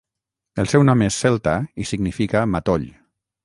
El seu nom és celta i significa "matoll".